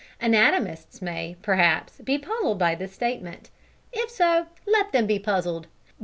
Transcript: Anatomists may, perhaps, be puzzled by this statement. If so let them be puzzled!